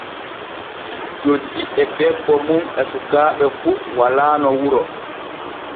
Joddi e debbo mum e sukaaɓe fu walaano wuro.